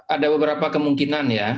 ada beberapa kemungkinan ya